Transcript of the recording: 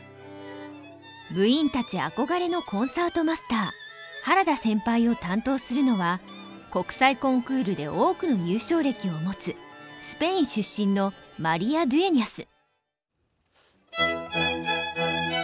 部員たち憧れのコンサートマスター原田先輩を担当するのは国際コンクールで多くの優勝歴を持つスペイン出身のマリア・ドゥエニャス。